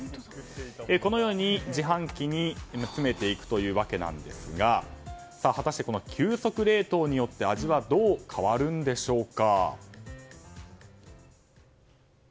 このように、自販機に詰めていくというわけなんですが果たして急速冷凍によって味はどう変わるんでしょうか。